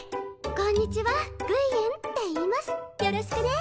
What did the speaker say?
こんにちは貴園っていいますよろしくね。